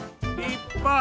立派！